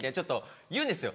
言うんですよ